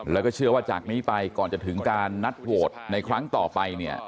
แล้วก็เชื่อว่าจากนี้ไปก่อนจะถึงการนัดโหวตในครั้งต่อไปเนี่ย